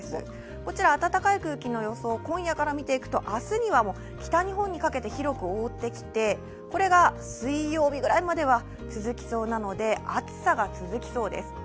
こちら暖かい空気の予想、今夜から見ていくと、明日には北日本にかけて広く覆ってきて、これが水曜日ぐらいまでは続きそうなので、暑さが続きそうです。